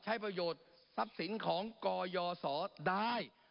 ใช้ประโยชน์ทรัพย์สินของกยศได้